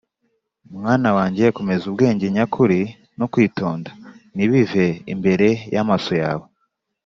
mwana wanjye, komeza ubwenge nyakuri no kwitonda, ntibive imbere y’amaso yawe